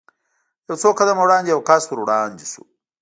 یو څو قدمه وړاندې یو کس ور وړاندې شو.